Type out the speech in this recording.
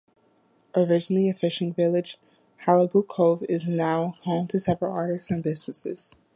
Originally a fishing village, Halibut Cove is now home to several artists and businesses.